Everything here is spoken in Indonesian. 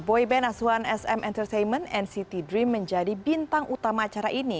boyband asuhan sm entertainment nct dream menjadi bintang utama acara ini